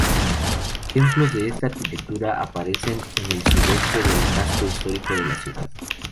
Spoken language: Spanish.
Ejemplos de esta arquitectura aparecen en el sudeste del casco histórico de la ciudad.